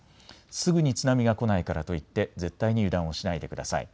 すぐに津波が来ないからといって絶対に油断をしないでください。